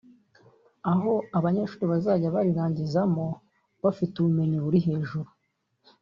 aho abanyeshuri bazajya barirangizamo bafite ubumenyi buri hejuru